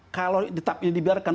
kalau tetap ini dibiarkan